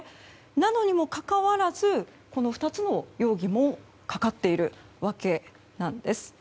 なのにもかかわらずこの２つの容疑もかかっているわけなんです。